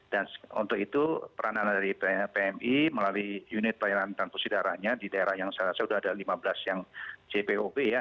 dan untuk itu peranan dari pmi melalui unit perang pusidara di daerah yang saya rasa sudah ada lima belas yang cpob ya